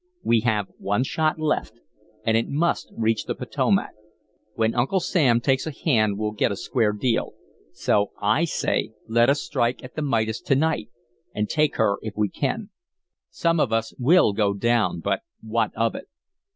We have one shot left, and it must reach the Potomac. When Uncle Sam takes a hand we'll get a square deal, so I say let us strike at the Midas to night and take her if we can. Some of us will go down, but what of it?"